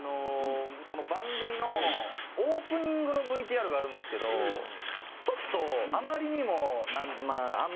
この番組のオープニングのＶＴＲがあるんですけどちょっとあまりにもまああんま